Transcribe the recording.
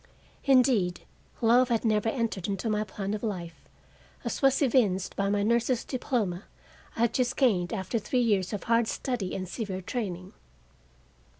Indeed, love had never entered into my plan of life, as was evinced by the nurse's diploma I had just gained after three years of hard study and severe training.